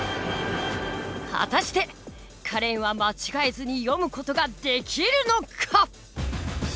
果たしてカレンは間違えずに読む事ができるのか？